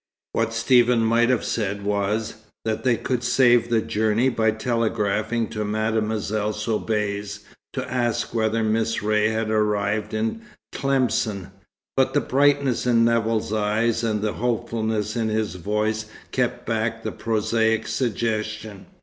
What Stephen might have said was, that they could save the journey by telegraphing to Mademoiselle Soubise to ask whether Miss Ray had arrived in Tlemcen. But the brightness in Nevill's eyes and the hopefulness in his voice kept back the prosaic suggestion.